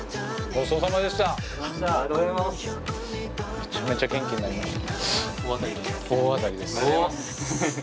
めちゃめちゃ元気になりました。